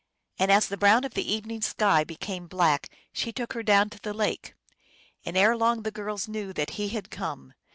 And as the brown of the evening sky became black, she took her down to the lake. And erelong the girls knew that He had come.